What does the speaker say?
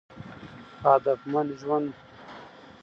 په هدفمند ژوند